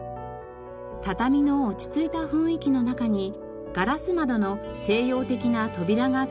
畳の落ち着いた雰囲気の中にガラス窓の西洋的な扉が取り入れられています。